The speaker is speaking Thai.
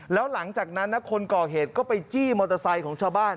แล้วหลังจากนั้นนะคนก่อเหตุก็ไปจี้มอเตอร์ไซค์ของชาวบ้าน